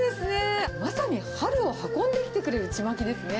まさに春を運んできてくれる、ちまきですね。